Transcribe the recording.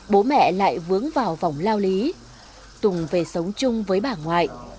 bố mẹ lại vướng vào vòng lao lý tùng về sống chung với bà ngoại